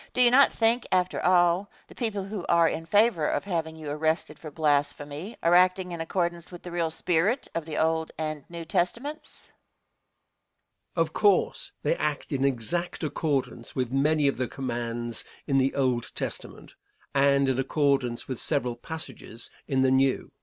Do you not think after all, the people who are in favor of having you arrested for blasphemy, are acting in accordance with the real spirit of the Old and New Testaments? Answer. Of course, they act in exact accordance with many of the commands in the Old Testament, and in accordance with several passages in the New.